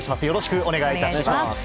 よろしくお願いします。